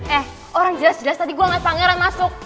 eh orang jelas jelas tadi gue gak pangeran masuk